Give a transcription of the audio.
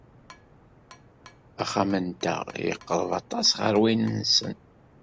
Axxam-nteɣ yeqreb aṭas ɣer win-nsen.